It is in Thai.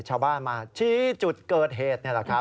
ชาวบ้านมาชี้จุดเกิดเหตุนี่แหละครับ